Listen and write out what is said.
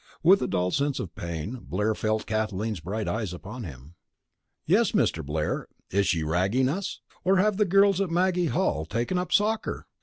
With a dull sense of pain Blair felt Kathleen's bright eyes on him. "Yes, Mr. Blair, is she ragging us? Or have the girls at Maggie Hall taken up soccer?"